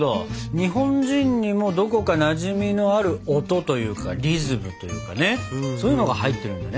日本人にもどこかなじみのある音というかリズムというかねそういうのが入ってるんだね。